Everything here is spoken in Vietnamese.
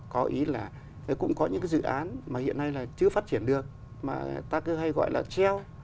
có ý là cũng có những cái dự án mà hiện nay là chưa phát triển được mà ta cứ hay gọi là treo